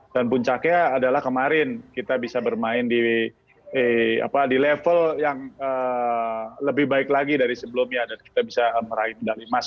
dan puncaknya adalah kemarin kita bisa bermain di level yang lebih baik lagi dari sebelumnya dan kita bisa meraih dali mas